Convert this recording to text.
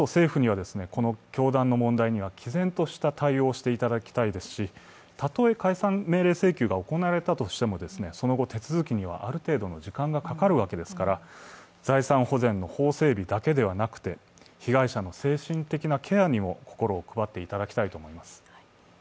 だからこそ政府には、この教団の問題には毅然とした対応をしていただきたいですし、たとえ解散命令請求が行われたとしても、その後、手続きにはある程度の時間はかかるわけですから、財産保全の法整備だけではなくて、被害者の精神的なケアにも心を配っていただきたいと思います。